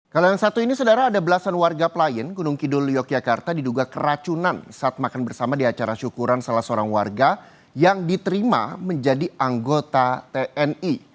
kalau yang satu ini saudara ada belasan warga pelayan gunung kidul yogyakarta diduga keracunan saat makan bersama di acara syukuran salah seorang warga yang diterima menjadi anggota tni